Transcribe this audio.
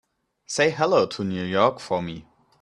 Say hello to New York for me.